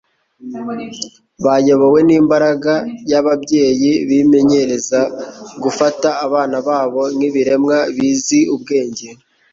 Bayobowe n'imbaraga y'ababyeyi, bimenyereza gufata abana babo nk'ibiremwa bizi ubwenge,